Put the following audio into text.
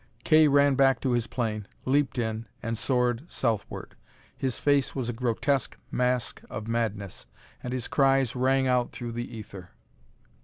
Kay ran back to his plane, leaped in, and soared southward. His face was a grotesque mask of madness, and his cries rang out through the ether.